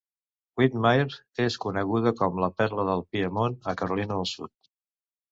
Whitmire és coneguda com "La perla del Piemont" a Carolina del Sud.